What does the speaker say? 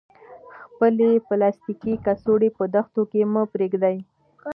خپلې پلاستیکي کڅوړې په دښتو کې مه پریږدئ.